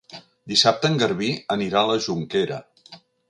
Dissabte en Garbí anirà a la Jonquera.